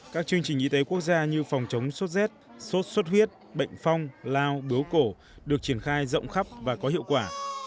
các chương trình y tế quốc gia như phòng chống sốt rét sốt xuất huyết bệnh phong lao bướu cổ được triển khai rộng khắp và có hiệu quả